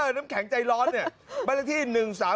เออน้ำแข็งใจร้อนเนี่ย